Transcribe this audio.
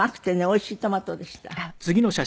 おいしいトマトでしたとても。